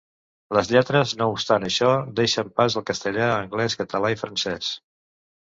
Les lletres, no obstant això, deixen pas al castellà, anglès, català i francès.